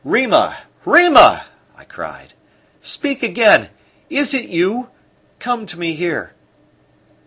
"Rima! Rima!" I cried. "Speak again. Is it you? Come to me here."